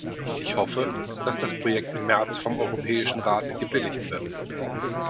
Ich hoffe, dass das Projekt im März vom Europäischen Rat gebilligt wird.